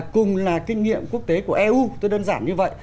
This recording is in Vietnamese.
cùng là kinh nghiệm quốc tế của eu tôi đơn giản như vậy